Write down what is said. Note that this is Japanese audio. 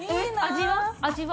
味は？